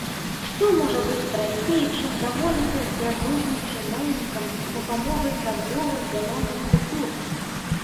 Што можа быць прасцей, чым дамовіцца з дзяжурным чыноўнікам з дапамогай чарговых зялёных купюр?